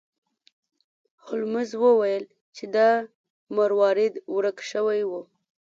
هولمز وویل چې دا مروارید ورک شوی و.